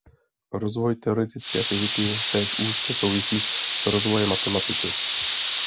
Rozvoj teoretické fyziky též úzce souvisí s rozvojem matematiky.